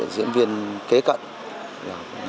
diễn viên kế cận